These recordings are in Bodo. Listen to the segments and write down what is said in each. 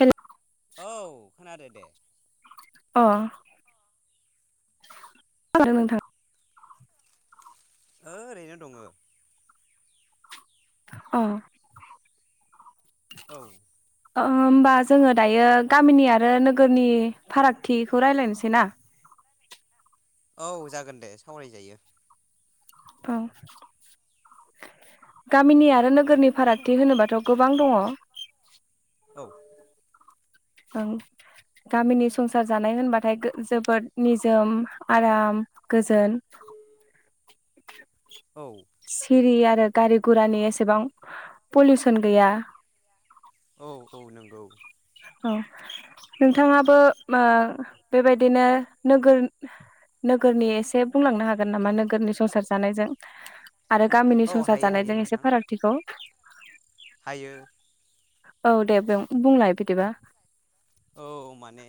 हेल' औ खोनादो दे अ आरो नोंथां ओ ओरैनो दङ औ औ अ अ होमबा जोङो दायो गामिनि आरो नोगोरनि फारागथिखौ रायलायनोसै ना औ जागोन दे सावरायजायो औ गामिनि आरो नोगोरनि फारागथि होनोबाथ' गोबां दङ औ ओं गामिनि संसार जानाय होनबाथाय जोबोद निजोम आराम गोजोन औ सिरिया गारि घुरानि एसेबां पलिउसन गैया औ औ नंगौ औ नोंथाङाबो ओ बेबायदिनो नोगोर नोगोरनि एसे बुंलांनो हागोन नामा नोगोरनि संसार जानायजों आरो गामिनि औ संसार हायो हायो जानायजों एसे नोंथां फारागथिखौ हायो औ दे बुंलाय बिदिबा औ माने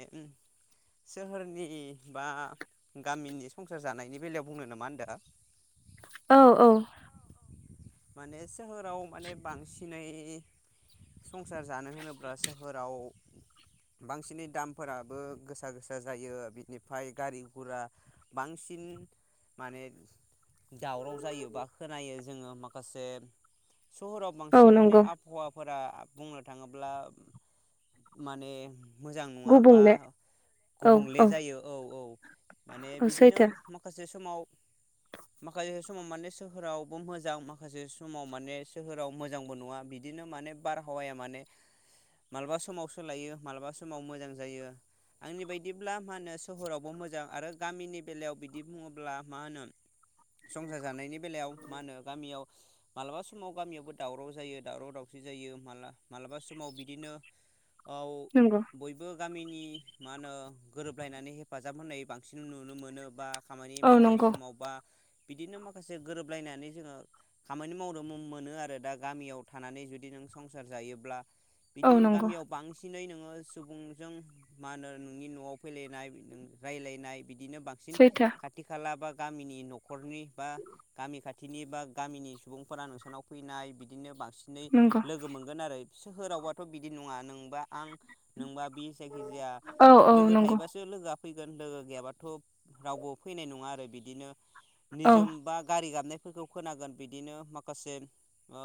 सोहोरनि बा गामिनि संसार जानायनि बेलायाव बुंनो नामा होनदो औ औ माने सोहोराव माने बांसिनै संसार जानो होनोब्ला सोहोराव बांसिनै दामफोराबो गोसा गोसा जायो बिनिफ्राय गारि घुरा बांसिन माने दावराव जायो बा खोनायो जोङो मा माखासे सहराव औ बांसिन माने नंगौ आबहावा फोरा बुंनो थाङोब्ला माने मोजां नङा बा गुबुंले गुबुंले जायो औ औ माने औ बिदिनो सैथो माखासे समाव माखासे समाव माने सोहोरावबो मोजां मा खासे समाव माने सोहोराव मोजांबो नङा बिदिनो माने बारहावाया माने मालाबा समाव सोलायो मालाबा समाव मोजां जायो आंनि बायदिब्ला मा होनो सोहोरावबो मोजां आरो गामिनि बेलायाव बिदि बुङोब्ला मा होनो संसार जानायनि बेलायाव मा होनो गामियाव मालाबा समाव गामियावबो दावराव जायो दावराव दावसि जायो मा-मालाबा समाव बिदिनो आव नंगौ बयबो गामिनि मा होनो गोरोबलायनानै हेफाजाब होननाय बांसिन नुनो मोनो बा खामानि औ मावनाय नंगौ समाव बा बिदिनो माखासे गोरोबलायनानै जोङो खामानि मावनो मोनो आरो दा गामियाव थानानै जुदि नों संसार जायोब्ला औ बिदि नंगौ गामियाव बांसिनै नोङो सुबुंजों मा होनो नोंनि न'आव फैलायनाय ओ रायलायनाय बिदिनो बांसिन सैथो खाथि खाला बा गामिनि नखरनि बा गामि खाथिनि बा गामिनि सुबुंफोरा नोंसानाव फैनाय बिदिनो बां सिनै नंगौ लोगो मोनगोन आरो सोहोरावबाथ' बिदि नङा नोंबा आं नोंबा बि जायखिजाया औ औ लोगो नंगौ थायोबासो लोगोआ फैगोन लोगो गैयाबाथ' रावबो फैनाय नङा आरो बिदिनो औ निजोम बा गारि गाबनाय फोरखौ खोनागोन बिदिनो माखासे ओ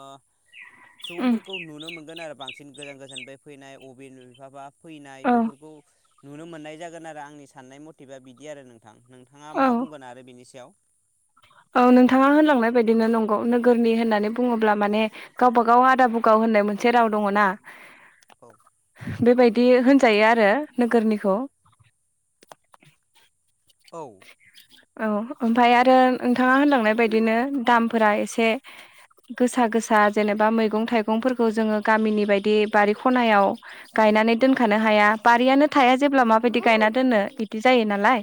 उम सुबुंफोरखौ नुनो मोनगोन आरो बांसिन गोजान गोजानफ्राय फैनाय अबिन बिफाबा फैनाय औ बेफोरखौ नुनो मोननाय जागोन आरो आंनि साननाय मथिभा बिदि आरो नोंथ थां नोंथाङा औ मा बुंगोन आरो बेनि सायाव औ नोंथाङा होनलांनाय बायदिनो नंगौ नोगोरनि होननानै बुङोब्ला माने गावबागाव आदा बुगाव होननाय मोनसे राव दङ ना औ बेबायदि होनजायो आरो नोगोरनिखौ औ औ ओमफ्राय आरो नोंथाङा होनलांनाय बायदिनो दामफोरा एसे गोसा गोसा जेनेबा मैगं थाइगंफोरखौ जोङो गामिनि बायदि बारि खनायाव गायनानै दोनखानो हाया बारियानो थाया जेब्ला माबायदि गायना दोननो बिदि जायो नालाय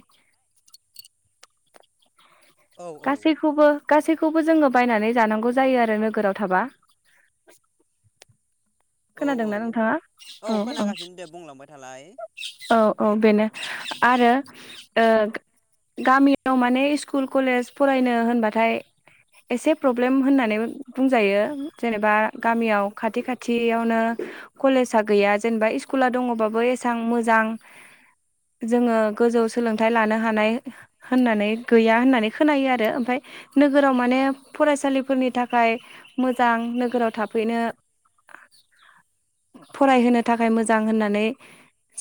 औ औ गासैखौबो गासैखौबो जोङो बायनानै जानांगौ जायो आरो नोगोराव थाबा औ खोनादों औ ना नोंथाङा औ खोनागासिनो दे बुंलांबाय थालाय औ औ औ बेनो आरो ओ गामियाव माने स्कुल कलेज फरायनो होनबाथाय एसे प्रब्लेम होननानैबो बुंजायो जेनेबा गामियाव खाथि खाथि खाथियावनो कलेजआ गैया जेनेबा स्कुला दङबाबो एसां मोजां जोङो गोजौ सोलोंथाइ लानो हानाय होननानै गैया होननानै खोनायो आरो ओमफफ्राय नोगोराव माने फरायसालिफोरनि थाखाय मोजां नोगोराव थाफैनो फरायहोनो थाखाय मोजां होननानै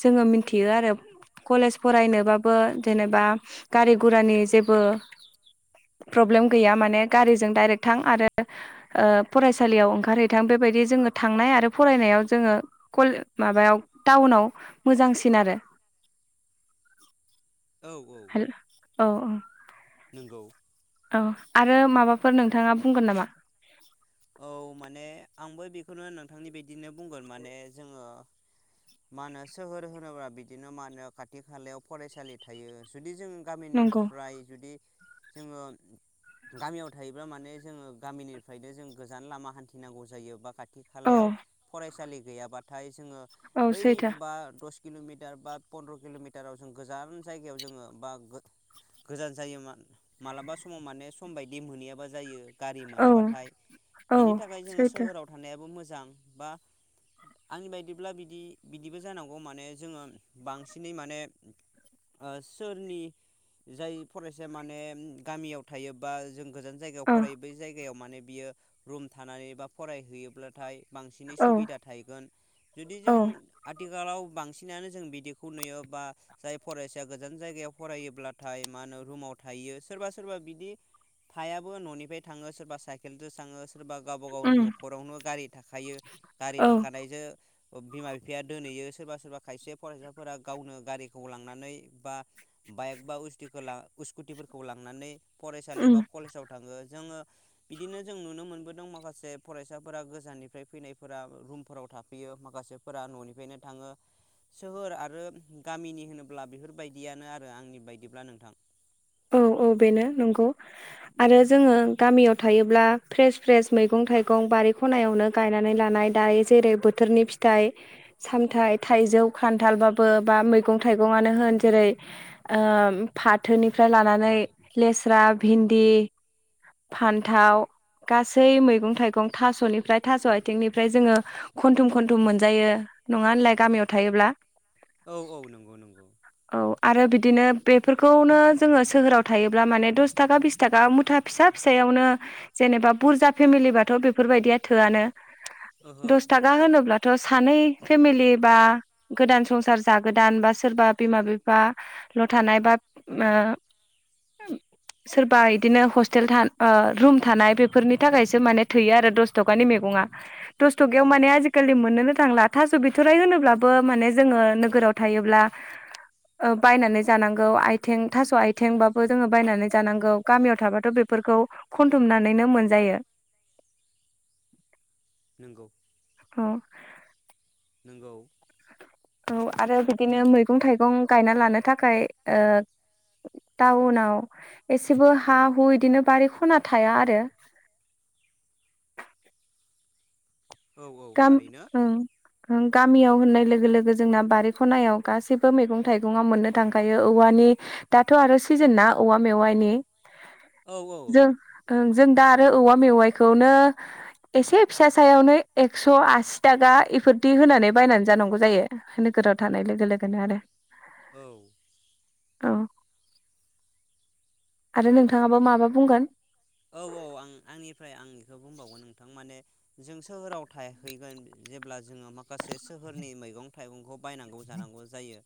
जोङो मिथियो आरो कलेज फरायनोबाबो जेनेबा गारि गुरानि जेबो प्रब्लेम गैया माने गारिजों दाइरेक्ट थां आरो फरायसालियाव ओंखार हैथां बेबायदि जोंनो थांनाय आरो फरायनायाव थावनाव मोजांसिन आरो औ औ हेल औ औ नोंगौ औ आरो माबाफोर नोंथाङा बुंगोन नामा औ माने आंबो बेखौनो नोंथांनि बदिनो बुंगोन माने जोङो मा होनो सोहोर होनोब्ला बिदिनो मा होनो खाथि खालायाव फरायसालि थायो जुदि जों नंगौ गामिनिफ्राय जुदि जोङो गामियाव थायोब्ला माने जोङो गामिनिफ्रायनो जों गोजान लामा हान्थिनांगौ जायो बा खा खाथि औ खालायाव फरायसालि गैयाबाथाय जोङो औ बै सैथो बा द किल'मिटार बा पन्द्र' किल'मिटाराव जों गोजान जायगायाव जोङो बा गोजान जायो मालाबा समाव माने सम बायदि मोनहैयाबा जायो गारि औ मोनाबाथाय औ बिनि थाखाय जोङो सैथो सोहोराव थानाय आंनि बायब्ला आंनि बायदिब्ला बिदि बिदिबो जांगौ बांसिनै माने ओ सोरनि जाय फरायसाया गामियाव थायोबा जे गोजान जायगायाव औ फरायो बै जायगायाव माने बियो रुम थानानै बा फरायहैयोब्लाथाय बांसिनै औ सुबिदा थाहैगोन जुदि औ जों आथिखाल आथिखालाव बांसिनानो जों बिदिखौ नुयो बा जाय फरायसाया गोजान जायगायाव फरायोब्लाथाय मा होनो रुमाव थायो सोरबा सोरबा बिदि थायाबो ननिफ्राय थाङो सोरबा साइकेलजों थाङो सोरबा गावबा गावनि उम न'खरावनो गारि थाखायो गारि औ थाखानायजों बिमा बिफाया दोनहैयो सोरबा सोरबा खायसे फरायसाफोरा गावनो गारिखौ लांनानै बा बाइक बा उस स्कुटिफोरखौ लांनानै फरायसालि उम बा कलेजाव थाङो जोङो बिदिनो जों नुनो मोनबो माखासे फरायसाफोरा गोजाननिफ्राय फैनायफोरा रुमफोराव थाफैयो माखासेफोरा ननिफ्रायनो थाङो सोहोर आरो गामिनि होनोब्ला बेफोरबायदियानो आरो आंनि बायदिब्ला नोंथां औ औ बेनो नंगौ आरो जोङो गामियाव थायोब्ला फ्रेस फ्रेस मैगं थाइगं बारि खनायावनो गायनानै लानाय दायो जेरै बोथोरनि फिथाइ सामथायाइ थाइजौ खान्थालबाबो बा मैगं थाइगंनो होन जेरै फाथोनि ओमफ्राय लानानै लेस्रा भिन्दि फान्थाव गासै मैगं थाइगं थास'निफ्राय थास' आथिंनिफ्राय जोङो खन्थुम खन्थुम मोनजायो नङा होनलाय गामियाव थायोब्ला औ औ नोंगौ नोंगौ औ आरो बिदिनो बेफोरखौनो जोङो सोहोराव थायोब्ला माने दस थाखा बिस थाखा मुथा फिसा फिसायावनो जेनेबा बुरजा फेमिलिबाथ' बेफोरबायदिया थोआनो ओहो दस थाखा होनोब्ला थ' सानै फेमिलि बा गोदान संसार जागोदान बा सोरबा बिमा बिफा ल' थानाय बा ओ सोरबा इदिनो हस्टेल था ओ रुम थानाय बेफोरनि थाखायसो माने थैयो आरो दस थकानि मैगङा औ दस्थ'खायाव माने आजिखालि मोननो नो थांला थास बिथ'राय होनोब्लाबो माने जोङो नोगोराव थायोब्ला ओ बायनानै जानांगौ आइथें थास' आइ थें बाबो जोङो बायनानै जानांगौ गामियाव थाबाथ' बेफोरखौ खनथुमनानैनो मोनजायो नोंगौ औ नोंगौ औ आरो बिदिनो मैगं थाइगं गायना लानो थाखाय ओ टाउनाव एसेबो हा हु बिदिनो बारि खना थाया आरो औ औ गाम थारैनो ओं ओं गामियाव होननाय लोगो लोगो जोंना बारि खनायाव गासैबो मैगं थाइगङा मोननो थांखायो औवानि दाथ'ए आरो सिजोन ना औवा मेवाइनि औ औ जो ओं जों दा आरो औवा मेवाइखौनो एसे फिसा सायावनो एक्स' आसि थाखा इफोरदि होनानै बायनानै जानांगौ जायो नोगोराव थानाय लोगो लोगोनो आरो औ औ आरो बेनि नोंथाङाबा माबा बुंगोन औ औ आं आंनिफ्राय आं बेखौ बुंबावगोन नोंथां माने जों सोहोराव थायहैगोन जेब्ला जोङो माखासे सोहोरनि मैगं थाइगंखौ बायनांगौ जानांगौ जायो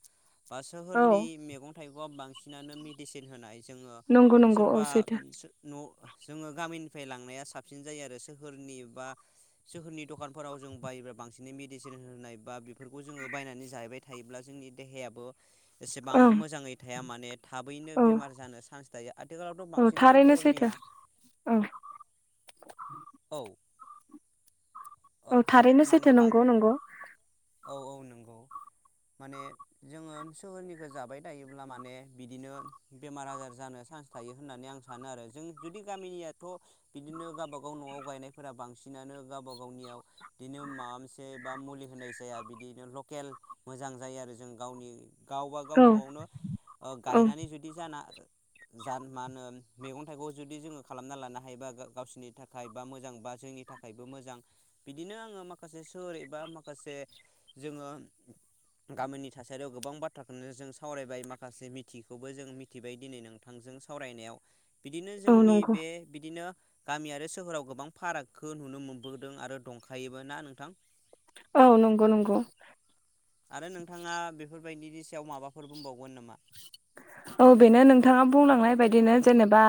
बा औ सोहोरनि मेगन थाइगआव बांसिनानो मिडिसिन होनाय जोङो नंगौ नंगौ औ सोरबा सैथो उम सो न' जोङो गामिनिफ्राय लांनाया साबसिन जायो आरो सोहोरनि बा सोहोरनि दखानफोराव जों बायोब्ला बांसिनै मिडिसिन होनाय बा बेफोरखौ जोङो बायनानै जाहैबाय थायोब्ला जोंनि देहायाबो एसेबां ओं मोजाङै थाया मा थाबैनो औ बेमार जानो चान्स थायो आथिखालावथ' औ बांसिन थारैनो सैथो सोहोरनिया औ औ ओ औ आद थारैनो माने सैथो बां नंगौ नंगौ औ औ नोंगौ माने जोङो सोहोरनिखौ जाबाय थायोब्ला माने बिदिनो बेमार आजार जानो चान्स थायो होननानै आं सानो आरो जों जुदि गामिनियाथ' बिदिनो गाबा गा गाव न'आव गायनायफोरा बांसिनानो गावबा गावनियाव बिदिनो माबा मोनसे बा मुलि होनाय जाया बिदिनो लकेल मोजां जायो आरो जों गावनि गावबागाव औ न'आवनो ओ औ गायनानै जुदि जाना जा मा होनो मैगं थाइगं जुदि जोङो खालामना लानो हायोबा गावसोरनि थाखाय। बा मोजां बा जोंनि थाखायबो मोजां बिदिनो आङो माखासे सोर एबा माखासे जोङो गाबोननि थासारियाव गोबां बाथ्राखौनो जों सावरायबाय माखासे मिथिखौबो जों मिथिबाय दिनै नोंथांजों सावरायनायाव बिदिनो औ जोंनि नंगौ बे बिदिनो गामि आरो सोहोराव गोबां फारागखौ नुनो मोनबोदों आरो दंखायोबो ना नोंथां। औ नंगौ नंगौ। आरो नोंथाङा बेफोर बायदिनि सायाव माबाफोर बुंबावगोन नामा? औ बेनो नोंथाङा बुंलांनाय बादिनो जेनेबा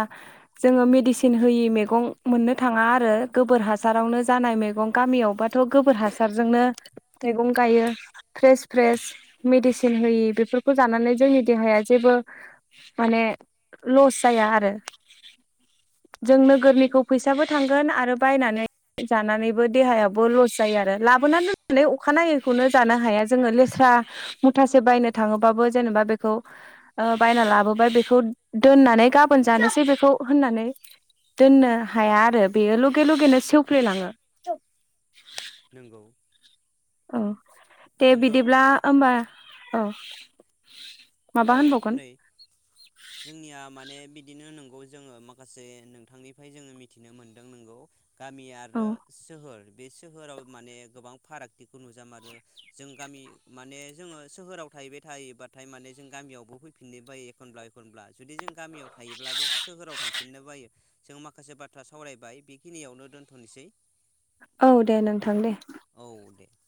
जोङो मेडिसिन होयि मैगं मोननो थाङा आरो गोबोर हासारावनो जानाय मैगं गामियावबाथ' गोबोर हासारजोंनो मैगं गायो फ्रेस फ्रेस मेडिसिन होयि बेफोरखौ जानानै जोंनि देहाया जेबो माने लस जाया आरो जों नोगोरनिखौ फैसाबो थांगोन आरो बायनानै जानानैबो देहायाबो लस जायो आरो लाबोना दोननानै अखानायैखौनो जानो हाया जोङो लेस्रा मुथासे बायनो थाङोबाबो जेनेबा बेखौ ओ बायना लाबोबाय बेखौ दोननानै गाबोन जानोसै बेखौ होननानै दोननो हाया आरो बेयो लगे लगेनो सेवफ्लेलाङो नंगौ अ दे बिदिब्ला होमबा। औ माबा औ होनबावगोन नै जोंनिया माने बिदिनो नोंगौ जोङो माखासे नोंथांनिफ्राय जोङो मिथिनो मोनदों नोंगौ। गामि औ आरो सोहोर बे सोहोराव माने गोबां फारागथिखौ नुजा मारो जों गामि माने जोङो सोहोराव थाहैबाय थायोबाथाय माने जों गामियावबो फैफिननो बायो एखनब्ला एखनब्ला जुदि जों गामियाव थायोब्लाबो सोहोराव थांफिननो बायो। जों माखासे बाथ्रा सावरायबाय बेखिनियावनो दोनथ'नोसै औ दे नोंथां दे। औ दे ओर